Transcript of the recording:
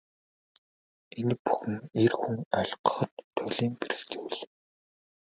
Энэ бүхэн эр хүн ойлгоход туйлын бэрх зүйл.